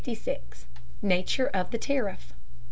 NATURE OF THE TARIFF.